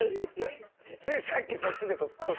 ついさっきそっちで撮った。